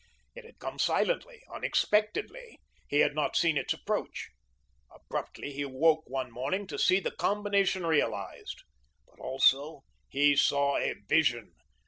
It had come silently, unexpectedly. He had not seen its approach. Abruptly he woke one morning to see the combination realised. But also he saw a vision.